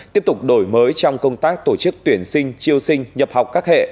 tiếp tục đổi mới trong công tác tổ chức tuyển sinh triêu sinh nhập học các hệ